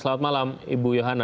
selamat malam ibu yohana